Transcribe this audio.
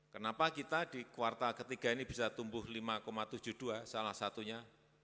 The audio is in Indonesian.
kenapa kita di kuartal ketiga ini bisa tumbuh lima tujuh puluh dua salah satunya